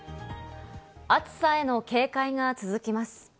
暑さへの警戒が続きます。